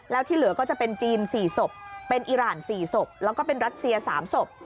แล้วที่เหลือก็จะเป็นจีน๔ศพเป็นอิราณ๔ศพแล้วก็เป็นรัสเซีย๓ศพ